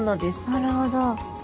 なるほど。